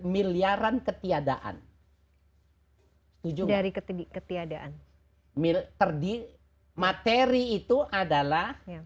miliaran ketiadaan setuju dari ketiadaan terdiri materi itu adalah